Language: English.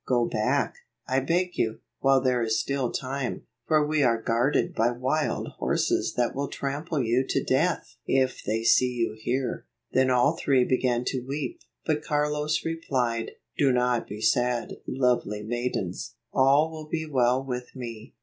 Go back, I beg you, while there is still time, for we are guarded by wild horses that will trample you to death if they see you here." Then all three began to weep, but Carlos replied, "Do not be sad, lovely maidens. All will be well with me.